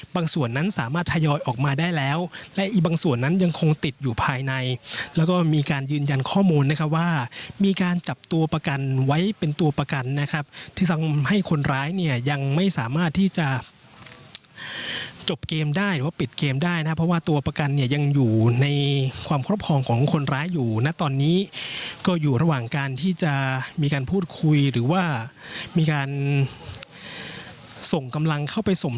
ส่วนนั้นสามารถทยอยออกมาได้แล้วและอีกบางส่วนนั้นยังคงติดอยู่ภายในแล้วก็มีการยืนยันข้อมูลนะครับว่ามีการจับตัวประกันไว้เป็นตัวประกันนะครับที่ทำให้คนร้ายเนี่ยยังไม่สามารถที่จะจบเกมได้หรือว่าปิดเกมได้นะครับเพราะว่าตัวประกันเนี่ยยังอยู่ในความครอบครองของคนร้ายอยู่นะตอนนี้ก็อยู่ระหว่างการที่จะมีการพูดคุยหรือว่ามีการส่งกำลังเข้าไปส่ง